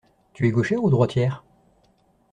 Tu es gauchère ou droitière?